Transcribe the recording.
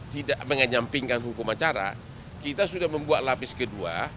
tidak menyampingkan hukum acara kita sudah membuat lapis kedua